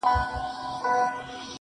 خپه په دې شم چي وای زه دې ستا بلا واخلمه